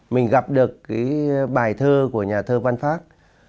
mình gặp được cái bài thơ của nhà thơ văn phát